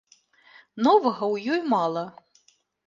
Новага ў ёй мала.